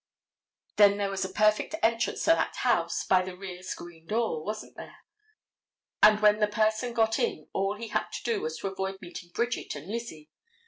Then there was a perfect entrance to that house by that rear screen door, wasn't there? And when the person got in all he had to do was to avoid meeting Bridget and Lizzie.